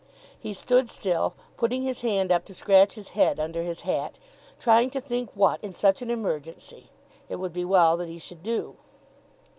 He stood still, putting his hand up to scratch his head under his hat, trying to think what, in such an emergency, it would be well that he should do.